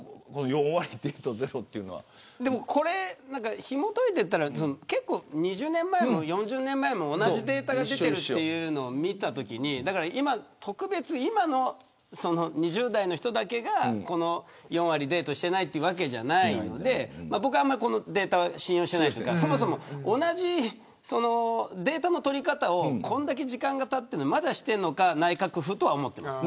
これ、ひもといていったら２０年前も４０年前も同じデータが出ているというのを見たときに特別、今の２０代の人だけが４割デートしていないわけじゃないので僕はあまりこのデータ信用していないというか同じデータの取り方をこれだけ時間がたってもまだしているのか内閣府とは思っています。